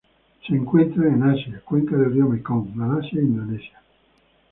Se encuentran en Asia: cuenca del río Mekong, Malasia y Indonesia.